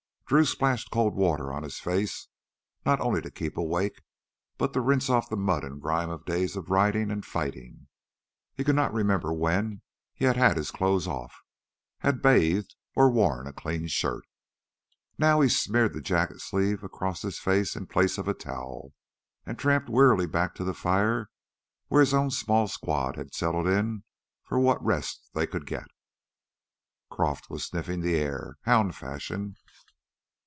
Drew splashed cold water on his face, not only to keep awake, but to rinse off the mud and grime of days of riding and fighting. He could not remember when he had had his clothes off, had bathed or worn a clean shirt. Now he smeared his jacket sleeve across his face in place of a towel and tramped wearily back to the fire where his own small squad had settled in for what rest they could get. Croff was sniffing the air, hound fashion.